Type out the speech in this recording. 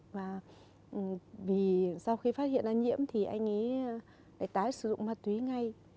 và vì sau khi phát hiện nây nhiễm thì anh ấy lại tái sử dụng mặt túy ngay